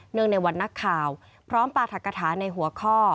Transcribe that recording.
เนื่องในวันนักข่าวพร้อมปรากฏฐาในหัวข้อ